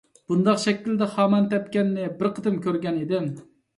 بۇنداق شەكىلدە خامان تەپكەننى بىر قېتىم كۆرگەن ئىدىم.